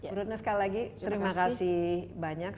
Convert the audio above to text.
bu retno sekali lagi terima kasih banyak